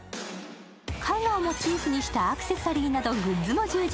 絵画をモチーフにしたアクセサリーなどグッズも充実。